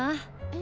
え？